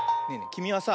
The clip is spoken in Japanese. きみはさ